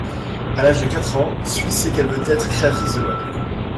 À l'âge de quatre ans, Sui sait qu'elle veut être créatrice de mode.